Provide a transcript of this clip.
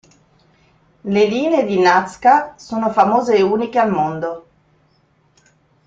Le linee di Nazca sono famose e uniche al mondo.